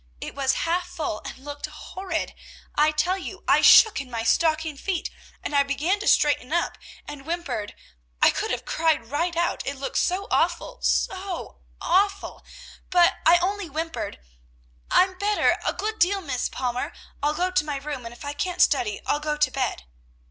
It was half full and looked horrid! I tell you, I shook in my stocking feet, and I began to straighten up, and whimpered, I could have cried right out, it looked so awful, so awful, but I only whimpered, 'I'm better, a good deal, Miss Palmer; I'll go to my room, and if I can't study, I'll go to bed.'